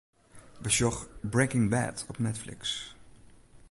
Besjoch 'Breaking Bad' op Netflix.